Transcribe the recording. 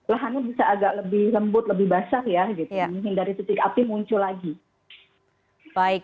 lahannya bisa agak lebih lembut lebih basah ya gitu menghindari titik api muncul lagi